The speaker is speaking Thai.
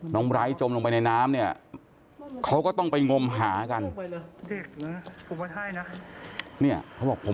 เดินออกมาแล้วนะ